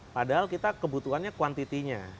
padahal kita kebutuhannya kuantitinya